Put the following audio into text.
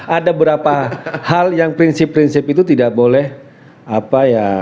ada beberapa hal yang prinsip prinsip itu tidak boleh apa ya